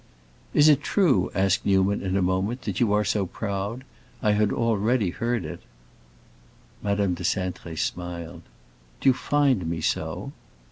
"Is it true," asked Newman in a moment, "that you are so proud? I had already heard it." Madame de Cintré smiled. "Do you find me so?"